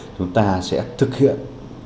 chúng ta sẽ thực hiện